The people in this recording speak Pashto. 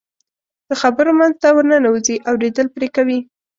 د خبرو منځ ته ورننوځي، اورېدل پرې کوي.